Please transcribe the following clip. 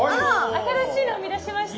新しいの生み出しました。